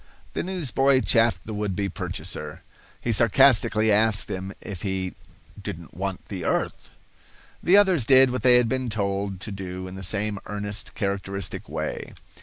The newsboy chaffed the would be purchaser. He sarcastically asked him if he "didn't want the earth." The others did what they had been told to do in the same earnest, characteristic way.